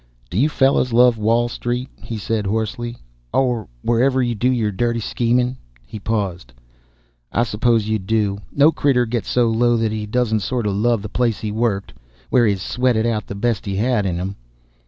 "Do you fellows love Wall Street?" he said hoarsely, "or wherever you do your dirty scheming " He paused. "I suppose you do. No critter gets so low that he doesn't sort of love the place he's worked, where he's sweated out the best he's had in him."